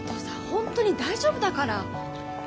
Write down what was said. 本当に大丈夫だから。